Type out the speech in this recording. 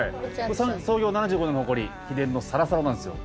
創業７５年の誇り秘伝のサラサラなんですよ。